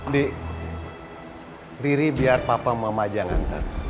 dik riri biar papa mama aja nganter